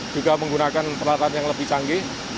juga menggunakan peralatan yang lebih canggih